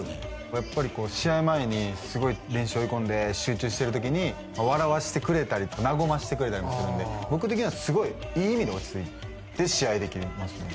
やっぱり試合前にすごい練習追い込んで集中してる時に笑わしてくれたりなごましてくれたりもするんで僕的にはすごいいい意味で落ち着いて試合できますね